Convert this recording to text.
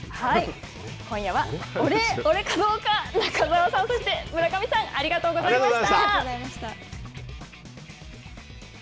今夜は、俺かどうか、中澤さん、そして村上さん、ありがとうございました。